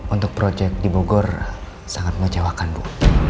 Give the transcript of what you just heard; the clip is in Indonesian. untuk proyek di bogor sangat mengecewakan bu